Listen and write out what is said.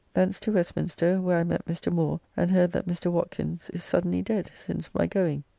Thence to Westminster, where I met Mr. Moore, and hear that Mr. Watkins' is suddenly dead since my going.